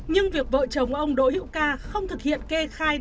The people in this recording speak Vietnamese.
nhưng việc vợ chồng ông đỗ hữu ca không thực hiện kê khai